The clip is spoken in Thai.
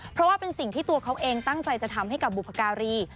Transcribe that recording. เพราะว่าเป็นสิ่งที่ตัวเขาเองตั้งใจจะทำให้กับบุพการี